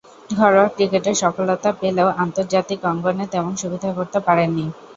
ঘরোয়া ক্রিকেটে সফলতা পেলেও আন্তর্জাতিক অঙ্গনে তেমন সুবিধা করতে পারেননি।